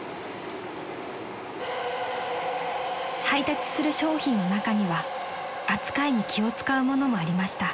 ［配達する商品の中には扱いに気を使うものもありました］